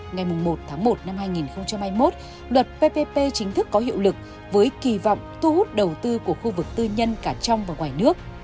ngày một tháng một năm hai nghìn hai mươi một luật ppp chính thức có hiệu lực với kỳ vọng thu hút đầu tư của khu vực tư nhân cả trong và ngoài nước